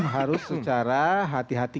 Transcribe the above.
harus secara hati hati